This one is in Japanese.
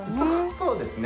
そうですね。